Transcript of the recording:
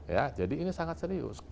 ya jadi ini sangat serius